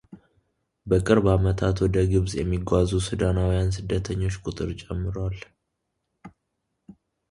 በቅርብ ዓመታት ወደ ግብጽ የሚጓዙ ሱዳናውያን ስደተኞች ቁጥር ጨምሯል።